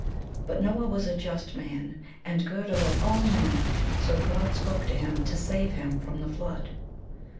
But Noah was a just man and good above all men; so God spoke to him to save him from the flood.